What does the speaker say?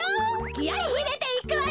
きあいいれていくわよ！